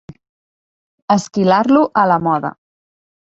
Esquilar-lo a la moda.